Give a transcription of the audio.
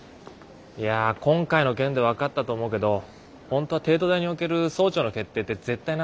いや今回の件で分かったと思うけど本当は帝都大における総長の決定って絶対なんすよ。